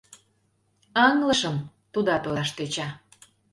— Ыҥлышым, — тудат ойлаш тӧча.